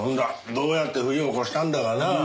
どうやって冬を越したんだかなぁ。